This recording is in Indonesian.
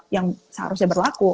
yang seharusnya berlaku